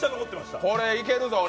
これはいけるぞ、俺。